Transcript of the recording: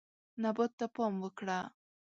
نبات ته پام وکړه.